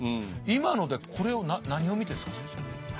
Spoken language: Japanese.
今のでこれを何を見てるんですか先生。